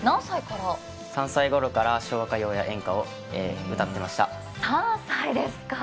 ３歳ごろから昭和歌謡や演歌を歌っていました。